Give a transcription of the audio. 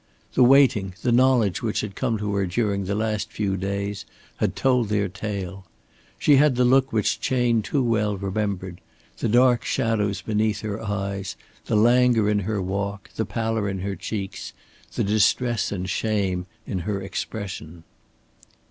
The waiting, the knowledge which had come to her during the last few days, had told their tale. She had the look which Chayne too well remembered, the dark shadows beneath her eyes, the languor in her walk, the pallor in her cheeks, the distress and shame in her expression.